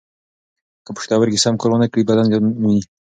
که پښتورګي سم کار و نه کړي، بدن زیان ویني.